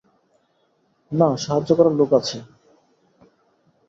না, সাহায্য করার লোক আছে।